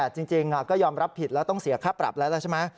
จริงก็ยอมรับผิดแล้วต้องเสียค่าปรับแล้วแล้วใช่ไหม